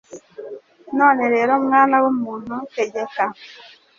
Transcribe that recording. none rero mwana w umuntu tekera